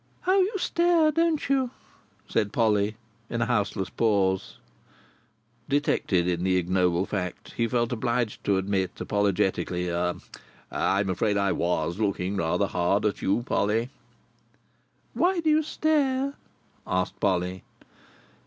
"How you stare, don't you?" said Polly, in a houseless pause. Detected in the ignoble fact, he felt obliged to admit, apologetically: "I am afraid I was looking rather hard at you, Polly." "Why do you stare?" asked Polly.